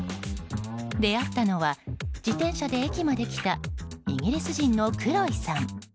出会ったのは自転車で駅まで来たイギリス人のクロイさん。